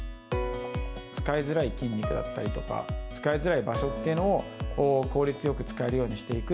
使いづらい筋肉だったりとか、使いづらい場所っていうのを効率よく使えるようにしていく。